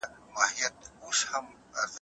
ما تېره شپه د ټولنپوهنې مطالعه کوله.